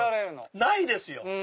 ないですよ！